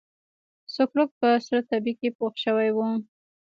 سوکړک په سره تبۍ کې پوخ شوی و.